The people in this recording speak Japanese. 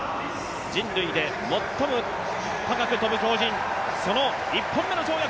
人類で最も高く跳ぶ鳥人、その１本目の跳躍。